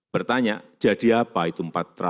bertanya jadi apa itu empat ratus enam puluh delapan